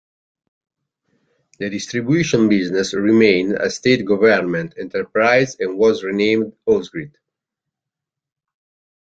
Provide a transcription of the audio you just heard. The distribution business remained a state government enterprise and was renamed Ausgrid.